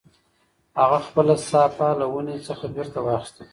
هغه خپله صافه له ونې څخه بېرته واخیسته.